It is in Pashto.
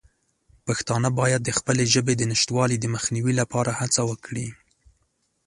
پښتانه باید د خپلې ژبې د نشتوالي د مخنیوي لپاره هڅه وکړي.